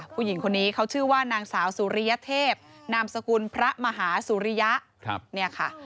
ผู้หญิงคนนี้เขาชื่อว่านางสาวสุริยเทพนามสกุลพระมหาสุริยะเนี่ยค่ะ